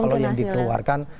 kalau yang dikeluarkan